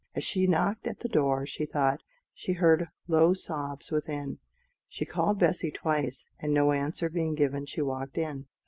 As she knocked at the door she thought she heard low sobs within; she called Bessy twice, and no answer being given she walked in.